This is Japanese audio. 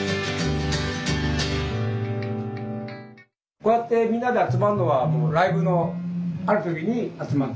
こうやってみんなで集まるのはライブのある時に集まって。